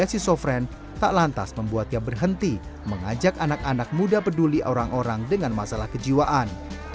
pertama kisil marikti merupakan penjualan gemari terbatas pembuat yang berhenti mengajak anak anak muda peduli orang orang dengan masalah kejiwaan